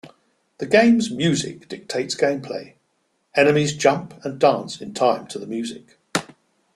The game's music dictates gameplay; enemies jump and dance in time to the music.